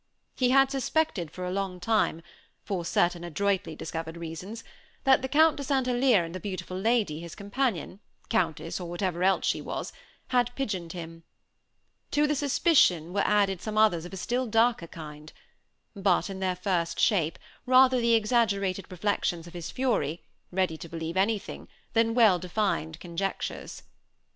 He had suspected for a long time, for certain adroitly discovered reasons, that the Count de St. Alyre and the beautiful lady, his companion, countess, or whatever else she was, had pigeoned him. To this suspicion were added some others of a still darker kind; but in their first shape, rather the exaggerated reflections of his fury, ready to believe anything, than well defined conjectures.